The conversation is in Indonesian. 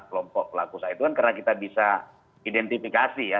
kelompok pelaku saat itu kan karena kita bisa identifikasi ya